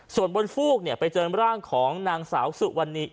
ส่วนบนฟูกไปเจอร่างของนางสาวสุวรรณี